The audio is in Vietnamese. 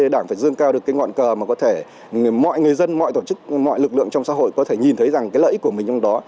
đảng phải dương cao được cái ngọn cờ mà có thể mọi người dân mọi tổ chức mọi lực lượng trong xã hội có thể nhìn thấy rằng cái lợi ích của mình trong đó